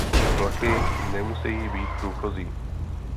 Vlaky nemusejí být průchozí.